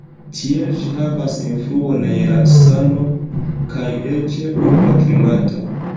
Tiel ĝi havas influon je la sano kaj eĉ urba klimato.